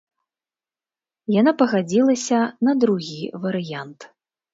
Яна пагадзілася на другі варыянт.